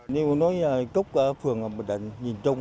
nếu nói cúc ở phường bình định vĩnh trung